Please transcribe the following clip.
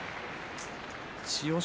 千代翔